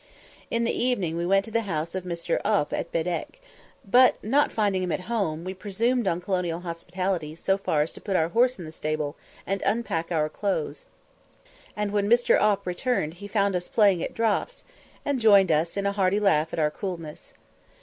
In the evening we went to the house of Mr. Oppe at Bedeque, but not finding him at home we presumed on colonial hospitality so far as to put our horse in the stable and unpack our clothes; and when Mr. Oppe returned he found us playing at draughts, and joined us in a hearty laugh at our coolness.